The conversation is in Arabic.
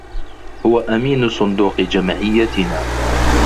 هو أمين صندوق جمعيتنا.